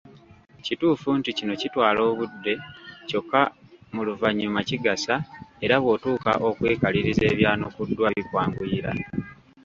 Kituufu nti kino kitwala obudde kyokka mu luvannyuma kigasa era bw’otuuka okwekaliriza ebyanukuddwa bikwanguyira.